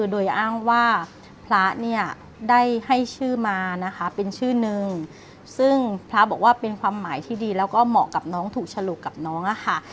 โดยอ้างว่าพระเนี่ยได้ให้ชื่อมานะคะเป็นชื่อนึงซึ่งพระบอกว่าเป็นความหมายที่ดีแล้วก็เหมาะกับน้องถูกฉลกกับน้องอะค่ะ